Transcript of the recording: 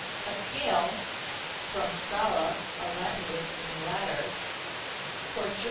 A scale (from scala, a Latin word meaning ladder; Ger.